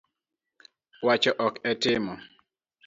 Wacho ok e timo